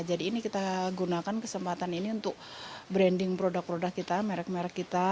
jadi ini kita gunakan kesempatan ini untuk branding produk produk kita merek merek kita